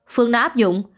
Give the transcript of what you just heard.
phường đã áp dụng